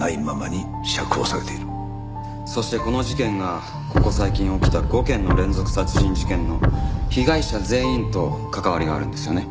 そしてこの事件がここ最近起きた５件の連続殺人事件の被害者全員と関わりがあるんですよね。